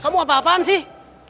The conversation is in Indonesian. kamu apa apaan sih